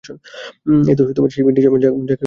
এইতো সেই সিন্ডি বারম্যান যাকে আমি চিনতাম।